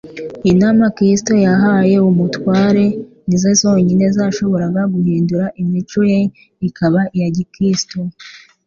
Inama Kristo yahaye uwo mutware nizo zonyine zashoboraga guhindura imico ye ikaba iya gikristo.